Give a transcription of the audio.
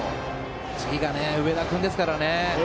次が上田君ですからね。